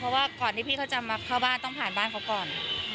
เพราะว่าก่อนที่พี่เขาจะมาเข้าบ้านต้องผ่านบ้านเขาก่อน